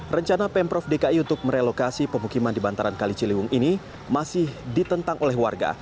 rencana pemprov dki untuk merelokasi pemukiman di bantaran kali ciliwung ini masih ditentang oleh warga